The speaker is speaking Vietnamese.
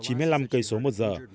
chín mươi năm km một giờ